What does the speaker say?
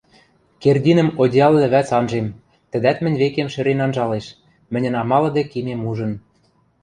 Кердинӹм одеял лӹвӓц анжем, тӹдӓт мӹнь векем шӹрен анжалеш, мӹньӹн амалыде кимем ужын.